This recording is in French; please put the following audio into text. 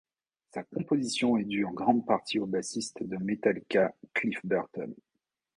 Sa composition est due en grande partie au bassiste de Metallica Cliff Burton.